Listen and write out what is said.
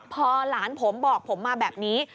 พอหลานผมบอกผมมาแบบนี้